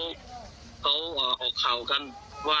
ว่าเครื่องบินจะมาแล้วนะจะมาแล้วนะ